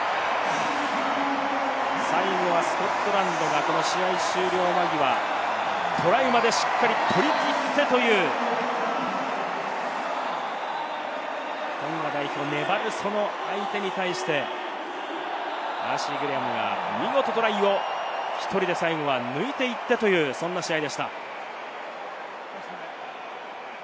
最後はスコットランドが試合終了間際、トライまでしっかり取り切ってというトンガ代表、粘る、その相手に対してダーシー・グレアムが見事、トライを最後は１人で抜いていってという、そんな試合でした。